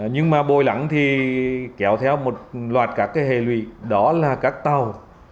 nhưng mà bồi lắng thì kéo theo một loạt các hề lụy đó là các tàu